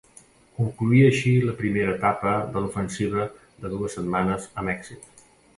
Concloïa així la primera etapa de l'ofensiva de dues setmanes amb èxit.